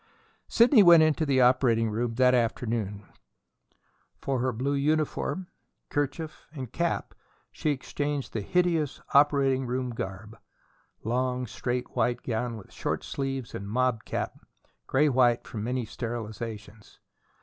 Sidney went into the operating room that afternoon. For her blue uniform, kerchief, and cap she exchanged the hideous operating room garb: long, straight white gown with short sleeves and mob cap, gray white from many sterilizations.